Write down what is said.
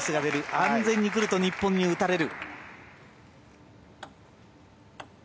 安全にくると日本に打たれる。